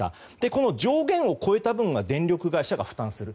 この上限を超えた分が電力会社が負担する。